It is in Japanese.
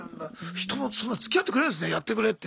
人はそんなつきあってくれるんですねやってくれって。